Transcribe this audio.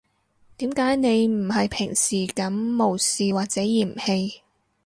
點解你唔係平時噉無視或者嫌棄